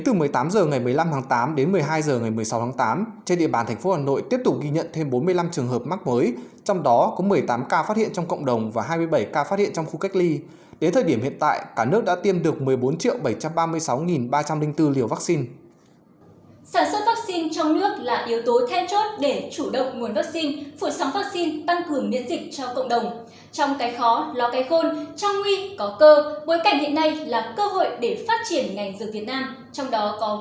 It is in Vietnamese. trong cái khó lo cái khôn trong nguy có cơ bối cảnh hiện nay là cơ hội để phát triển ngành dược việt nam trong đó có việc nghiên cứu và sản xuất vắc xin covid một mươi chín